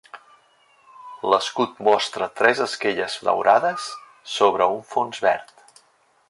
L'escut mostra tres esquelles daurades sobre un fons verd.